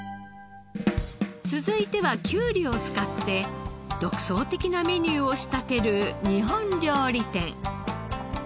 続いてはきゅうりを使って独創的なメニューを仕立てる日本料理店。